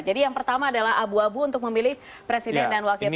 jadi yang pertama adalah abu abu untuk memilih presiden dan wakil presiden